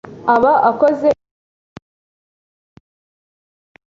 aba akoze icyaha cy,ubufatanye